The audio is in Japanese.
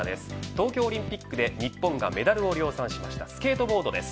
東京オリンピックで日本がメダルを量産したスケートボードです。